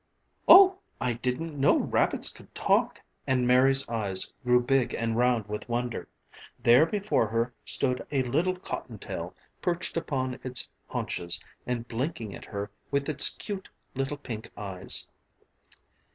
"Oh, I didn't know rabbits could talk," and Mary's eyes grew big and round with wonder. There before her stood a little cottontail perched upon its haunches and blinking at her with its cute little pink eyes.